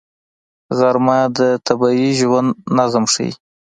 غرمه د طبیعي ژوند نظم ښيي